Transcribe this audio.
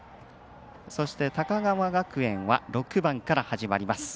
そして、高川学園は６番から始まります。